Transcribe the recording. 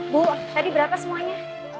bu tadi berapa semuanya